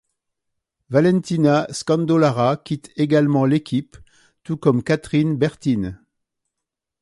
Valentina Scandolara quitte également l'équipe tout comme Kathryn Bertine.